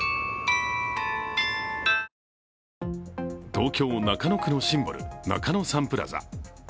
東京・中野区のシンボル、中野サンプラザ。